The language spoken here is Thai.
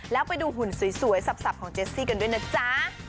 แล้วไปดูหุ่นสวยสับของเจสซี่กันด้วยนะจ๊ะ